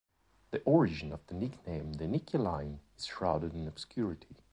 The origin of the nickname the "Nickey line" is shrouded in obscurity.